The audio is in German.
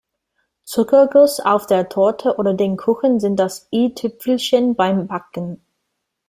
Zuckerguss auf der Torte oder den Kuchen sind das I-Tüpfelchen beim Backen.